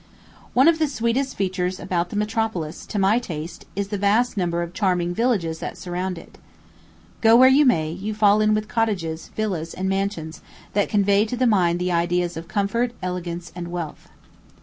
One of the sweetest features about the metropolis, to my taste, is the vast number of charming villages that surround it. Go where you may, you fall in with cottages, villas, and mansions, that convey to the mind the ideas of comfort, elegance, and wealth.